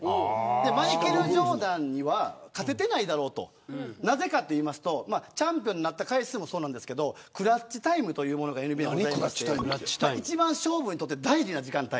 マイケル・ジョーダンには勝てないだろうとなぜかというとチャンピオンになった回数もそうですがクラッチタイムというものがありまして一番、勝負にとって大事な時間帯。